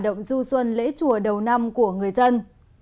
động du xuân lễ chùa đầu năm của người dân